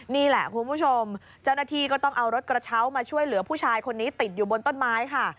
นี่แหละคุณผู้ชมเจ้าหน้าที่ก็ต้องเอารถกระเช้ามาช่วยเหลือผู้ชายคนนี้ติดอยู่บนต้นไม้ค่ะ